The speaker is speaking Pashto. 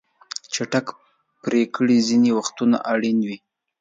چټک پریکړې ځینې وختونه اړینې وي.